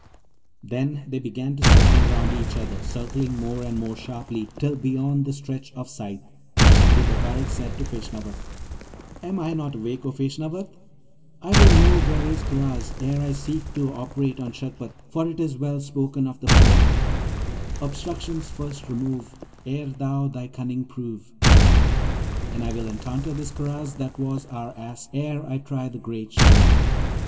Then they began to circle each round the other, circling more and more sharply till beyond the stretch of sight, and Shibli Bagarag said to Feshnavat, 'Am I not awake, O Feshnavat? I will know where is Karaz ere I seek to operate on Shagpat, for it is well spoken of the poet: "Obstructions first remove Ere thou thy cunning prove"; and I will encounter this Karaz that was our Ass, ere I try the great shave.'